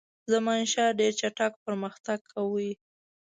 زمانشاه ډېر چټک پرمختګ کاوه.